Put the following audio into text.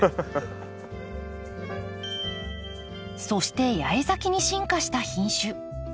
そして八重咲きに進化した品種。